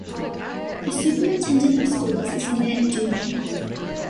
The Superintendent of Schools is Annette Deuman.